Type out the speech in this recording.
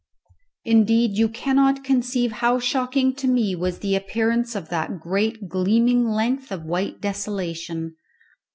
Indeed, you cannot conceive how shocking to me was the appearance of that great gleaming length of white desolation.